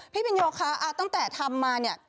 พี่พินโยคะตั้งแต่ทำมาเนี่ย